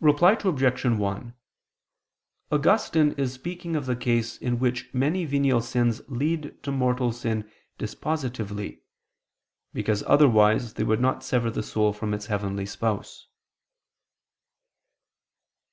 Reply Obj. 1: Augustine is speaking of the case in which many venial sins lead to mortal sin dispositively: because otherwise they would not sever the soul from its heavenly spouse.